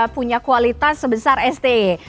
punya kualitas sebesar sti